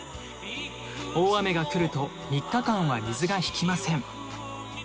「大雨がくると３日間は水がひきません！」